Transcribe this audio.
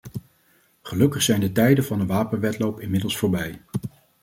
Gelukkig zijn de tijden van de wapenwedloop inmiddels voorbij.